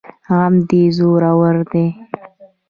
غم دي زورور دی